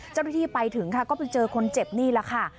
เจ้าหน้าที่ไปถึงค่ะก็ไปเจอคนเจ็บนี่แหละค่ะ